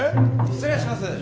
失礼します。